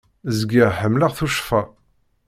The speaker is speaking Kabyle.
Zgiɣ ḥemmleɣ tuccfa.